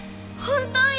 本当？